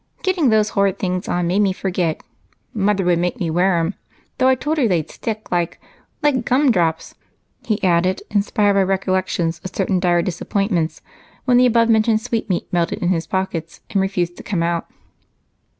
Getting these horrid things on made me forget. Mother would make me wear 'em, though I told her they'd stick like like gumdrops," he added, inspired by recollections of certain dire disappointments when the above mentioned sweetmeat melted in his pockets and refused to come out.